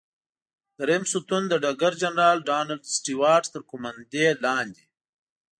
دریم ستون د ډګر جنرال ډانلډ سټیوارټ تر قوماندې لاندې.